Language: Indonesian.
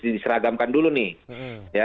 diseragamkan dulu nih